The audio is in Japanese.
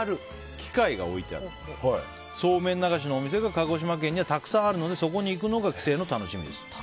機械が置いてあるそうめん流しのお店が鹿児島県にはたくさんあるのでそこに行くのが帰省の楽しみです。